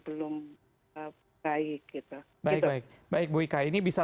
belum baik gitu baik bu ika ini bisa